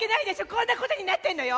こんなことになってんのよ。